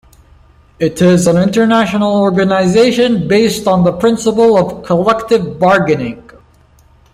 It is an international organization, based on the principle of collective bargaining.